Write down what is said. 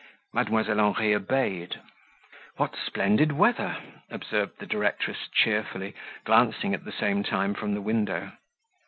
Mdlle. Henri obeyed. "What splendid weather!" observed the directress cheerfully, glancing at the same time from the window.